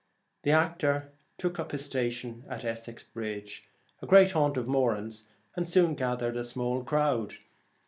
The actor took up his station at Essex Bridge, a great haunt of Moran's, and soon gathered a small crowd.